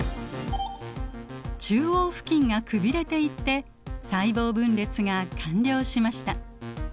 中央付近がくびれていって細胞分裂が完了しました。